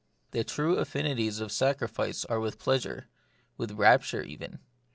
The true affinities of sacrifice are with pleasure, with rapture even.